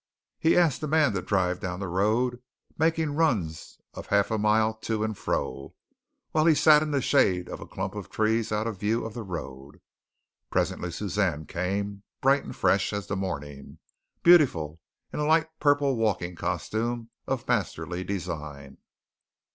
He asked the man to drive down the road, making runs of half a mile to and fro while he sat in the shade of a clump of trees out of view of the road. Presently Suzanne came, bright and fresh as the morning, beautiful in a light purple walking costume of masterly design.